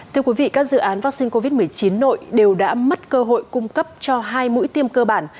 thưa quý vị các dự án vaccine covid một mươi chín nội đều đã mất cơ hội cung cấp cho hai mũi tiêm cơ bản